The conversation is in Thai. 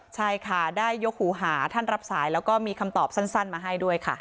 ใช่ค่ะได้ยกหูหาท่านรับสายแล้วก็มีคำตอบสั้นมาให้ด้วยค่ะ